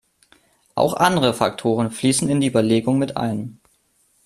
Auch andere Faktoren fließen in die Überlegung mit ein.